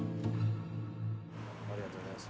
ありがとうございます。